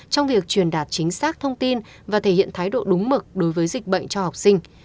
trong việc truyền đạt chính xác thông tin và thể hiện thái độ đúng mực đối với dịch bệnh cho học sinh